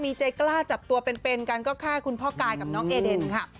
มีใจกล้าจับตัวเป็นกันก็แค่คุณพ่อกายกับน้องเอเดนค่ะ